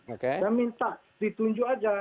saya minta ditunjuk saja